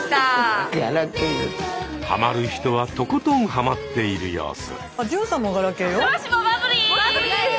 はまる人はとことんはまっている様子。